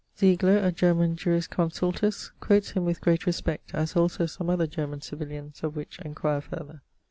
... Zeigler, a German jurisconsultus, quotes him with great respect, as also some other German civilians, of which enquire farther.